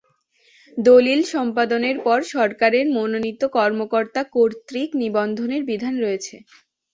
দলিল সম্পাদনের পর সরকারের মনোনীত কর্মকর্তা কর্তৃক নিবন্ধনের বিধান রয়েছে।